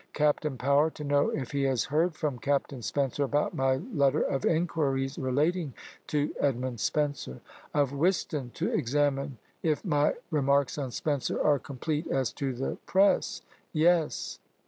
Captain Power, to know if he has heard from Capt. Spenser about my letter of inquiries relating to Edward Spenser. Of Whiston, to examine if my remarks on Spenser are complete as to the press Yes.